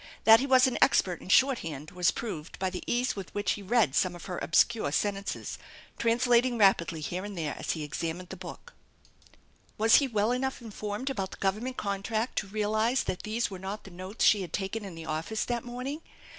That he was an expert in short hand was proved by the ease with which he read some of her obscure sentences, translating rapidly here and there as he examined the book. Was he well enough informed about the Government con tract to realize that these were not the notes she had taken 378 THE ENCHANTED BARN in the office that morning?